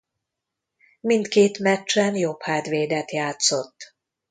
Mindkét meccsen jobbhátvédet játszott.